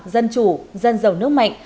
dân chủ dân giàu nước mạnh